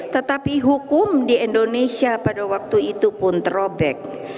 tetapi hukum di indonesia pada waktu itu pun terobek